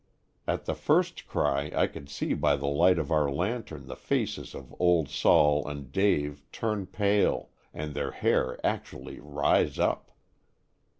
At the first cry I could see by the light of our lantern the faces of "Old Sol" and Dave turn pale, and their hair actually rise up.